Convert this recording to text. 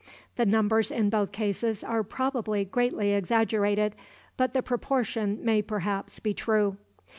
The numbers in both cases are probably greatly exaggerated, but the proportion may perhaps be true.